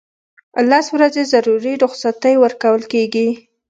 لس ورځې ضروري رخصتۍ ورکول کیږي.